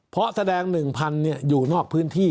เพราะแสดง๑พันธุ์เนี่ยอยู่นอกพื้นที่